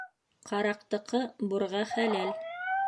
Ҡараҡтыҡы бурға хәләл.